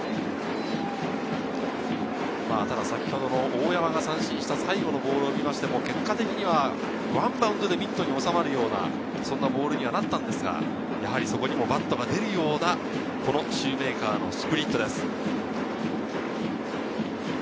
大山が三振した最後のボールを見ても、結果的にはワンバウンドでミットに収まるようなボールになったんですが、そこにバットが出るようなこのシューメーカーのスプリットです。